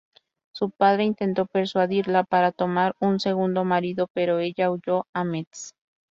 Su padre intentó persuadirla para tomar un segundo marido pero ella huyó a Metz.